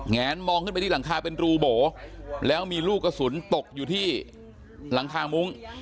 แนนมองขึ้นไปที่หลังคาเป็นรูโบแล้วมีลูกกระสุนตกอยู่ที่หลังคามุ้ง